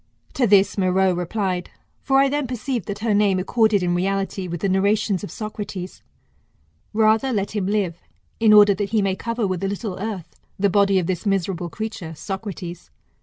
To this Meroe replied ; for I then perceived that her name accorded in reality with the narrations of Socrates : Rather let him live, in order that he may cover with a little earth the body of this miserable creature [Socrates.